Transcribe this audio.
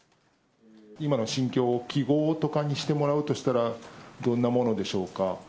今の心境を揮ごうとかにしてもらうとしたら、どんなものでしょうか。